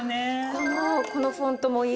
このこのフォントもいい。